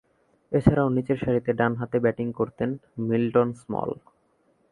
এছাড়াও, নিচেরসারিতে ডানহাতে ব্যাটিং করতেন মিল্টন স্মল।